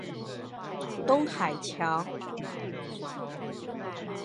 東海橋